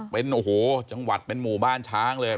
เป็นโอ้โหจังหวัดเป็นหมู่บ้านช้างเลย